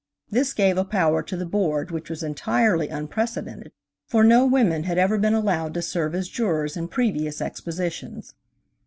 This gave a power to the Board which was entirely unprecedented, for no women have ever been allowed to serve as jurors in previous expositions.